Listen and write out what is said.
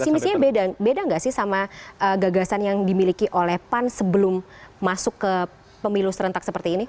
visi misinya beda nggak sih sama gagasan yang dimiliki oleh pan sebelum masuk ke pemilu serentak seperti ini